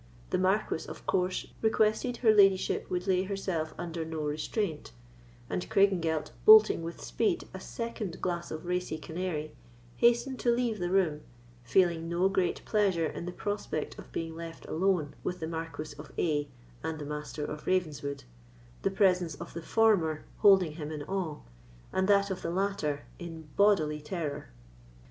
The Marquis, of course, requested her ladyship would lay herself under no restraint; and Craigengelt, bolting with speed a second glass of racy canary, hastened to leave the room, feeling no great pleasure in the prospect of being left alone with the Marquis of A—— and the Master of Ravenswood; the presence of the former holding him in awe, and that of the latter in bodily terror.